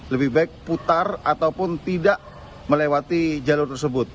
lebih baik putar ataupun tidak melewati jalur tersebut